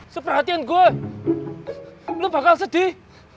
seperhatiin gue lo bakal sedih